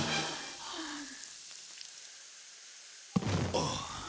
ああ。